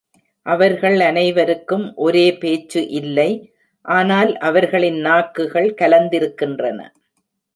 அவர்கள் அனைவருக்கும் ஒரே பேச்சு இல்லை, ஆனால் அவர்களின் நாக்குகள் கலந்திருக்கின்றன.